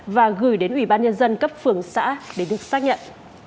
và gửi đến ubnd tp hà nội để được xác nhận